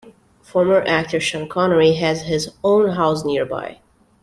Former actor Sean Connery has his own house nearby.